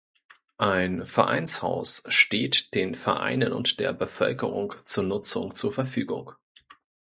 Ein Vereinshaus steht den Vereinen und der Bevölkerung zur Nutzung zur Verfügung.